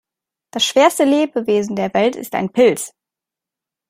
Das schwerste Lebewesen der Welt ist ein Pilz.